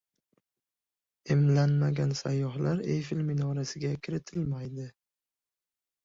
Emlanmagan sayyohlar Eyfel minorasiga kiritilmaydi